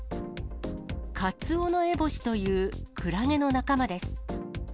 カツオノエボシという、クラゲの仲間です。